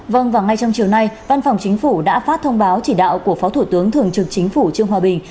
vâng và ngay trong chiều nay văn phòng chính phủ đã phát thông báo chỉ đạo của phó thủ tướng thường trực chính phủ trương hòa bình